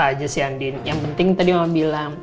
apa aja sih andien yang penting tadi mama bilang